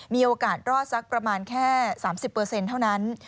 มีโอกาสรอดสักประมาณแค่๓๐เท่านั้น